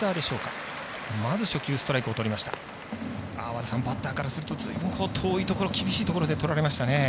和田さん、バッターからするとずいぶん遠いところ厳しいところでとられましたね。